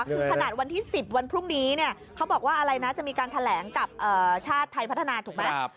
คือขนาดวันที่๑๐วันพรุ่งนี้เนี่ยเขาบอกว่าอะไรนะจะมีการแถลงกับชาติไทยพัฒนาถูกไหม